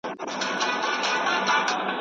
چي هر وخت سیلۍ نامردي ورانوي آباد کورونه